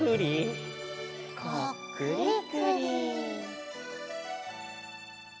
「こっくりくり」